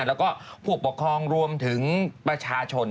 แล้วก็ผู้ปกครองรวมถึงประชาชน